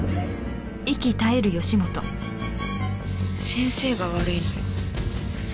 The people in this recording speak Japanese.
先生が悪いのよ。